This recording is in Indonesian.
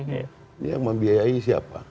ini yang membiayai siapa